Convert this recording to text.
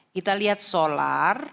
kita lihat solar